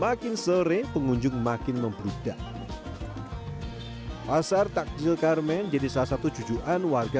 makin sering pengunjung makin memmudah masnai cerita termen jadi salah satu jujuran warga